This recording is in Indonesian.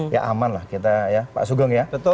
ya aman lah kita ya pak sugeng ya